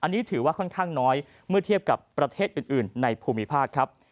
อันนี้ถือว่าค่อนข้างน้อยเมื่อเทียบกับประเทศอื่นในภูมิภาคครับ